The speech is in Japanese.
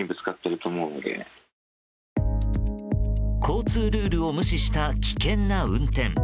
交通ルールを無視した危険な運転。